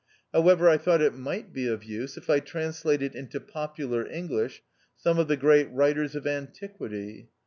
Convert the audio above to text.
However, I thought it might be of use if I translated into popular English some of the great writers of antiquity.